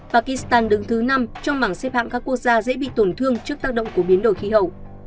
pakistan đứng thứ năm trong mảng xếp hạng các quốc gia dễ bị tổn thương trước tác động của biến đổi khí hậu